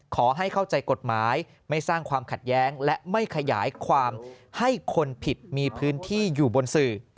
ขอให้เข้าใจกฎหมายไม่สร้างความขัดแย้งและไม่ขยายความให้คนผิดมีพื้นที่อยู่บนสื่อ